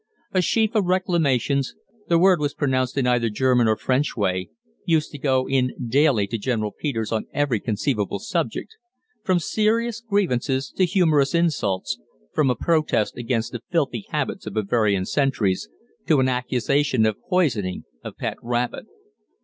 A sheaf of Reclamations (the word was pronounced in either German or French way) used to go in daily to General Peters on every conceivable subject, from serious grievances to humorous insults, from a protest against the filthy habits of Bavarian sentries to an accusation of poisoning a pet rabbit.